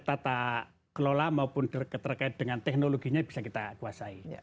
tata kelola maupun terkait dengan teknologinya bisa kita kuasai